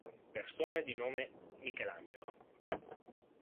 Persone di nome Michelangelo